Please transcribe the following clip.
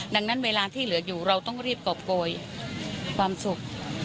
ดังนั้นเวลาที่เหลืออยู่เราต้องรีบกรอบโกยความสุข